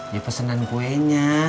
ya pesenan kuenya